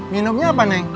minumnya apa nek